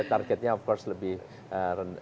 ya targetnya of course lebih rendah